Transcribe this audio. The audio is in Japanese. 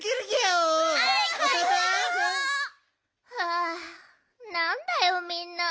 あなんだよみんな。